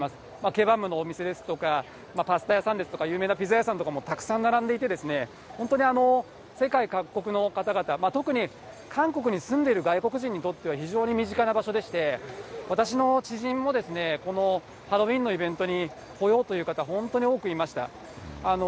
ケバブのお店ですとか、パスタ屋さんですとか、有名なピザ屋さんとかたくさん並んでいて、本当に世界各国の方々、特に韓国に住んでいる外国人にとっては、非常に身近な場所でして、私の知人も、このハロウィーンのイベントに来ようという方、本当に多くいました。